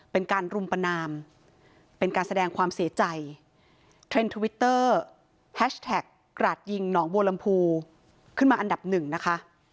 เป็นการรุมประนามเป็นการแสดงความเสียใจเทรนด์ทวิตเตอร์แฮชแท็กกราดยิงหนองบัวลำพูขึ้นมาอันดับหนึ่งนะคะ